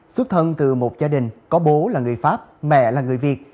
xuất thân từ một gia đình có bố là người pháp mẹ là người việt